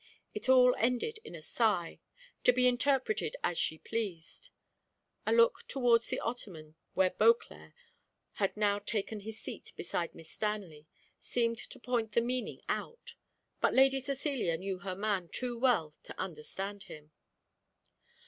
It all ended in a sigh, to be interpreted as she pleased. A look towards the ottoman, where Beauclerc had now taken his seat beside Miss Stanley, seemed to point the meaning out: but Lady Cecilia knew her man too well to understand him.